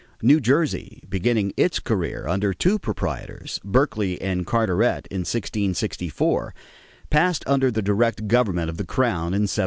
New Jersey, beginning its career under two proprietors, Berkeley and Carteret, in 1664, passed under the direct government of the crown in 1702.